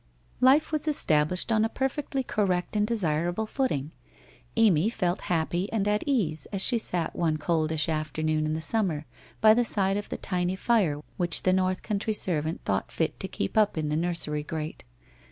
Life was established on a perfectly correct and desirable footing. Amy felt happy and at ease as she sat one coldish afternoon in the summer by the side of the tiny fire which the north country servant thought fit to keep up in the nursery grate.